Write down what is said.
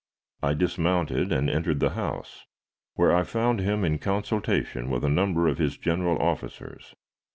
I dismounted and entered the house, where I found him in consultation with a number of his general officers.